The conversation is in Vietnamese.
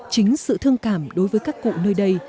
chính sự thương cảm đối với các cụ nơi đây